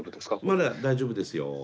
まだ大丈夫ですよ。